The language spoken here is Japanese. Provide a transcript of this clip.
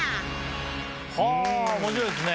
はあ面白いですね。